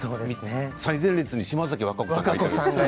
最前列に島崎和歌子さんが。